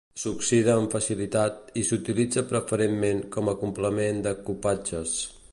S'oxida amb facilitat i s'utilitza preferentment com a complement de cupatges.